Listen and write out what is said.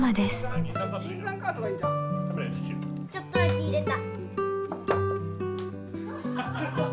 ちょっとだけ入れた。